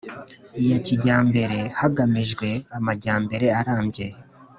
ya kijyambere hagamijwe amajyambere arambye